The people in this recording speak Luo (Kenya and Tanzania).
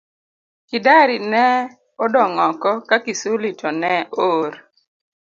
Kidari ne odong' oko ka Kisuli to ne oor.